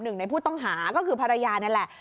หนึ่งในผู้ต้องหาก็คือภรรยานี่แหละ